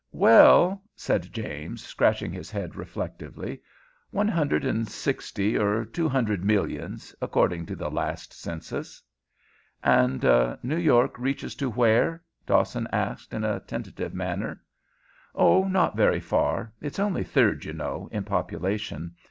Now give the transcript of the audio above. "Well," said James scratching his head reflectively, "one hundred and sixty or two hundred millions, according to the last census." "And New York reaches to where?" Dawson asked, in a tentative manner. "Oh, not very far. It's only third, you know, in population.